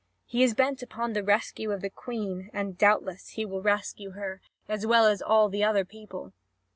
He is bent upon the rescue of the Queen, and doubtless he will rescue her, as well as all the other people.